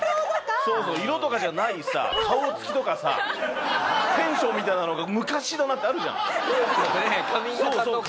色とかじゃないさ顔つきとかさテンションみたいなのが「昔だな！」ってあるじゃん。髪形とか。